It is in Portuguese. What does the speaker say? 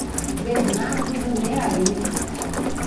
Bernardo do Mearim